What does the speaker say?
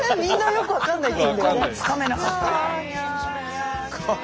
一個もつかめなかった。